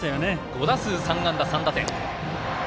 ５打数３安打３打点。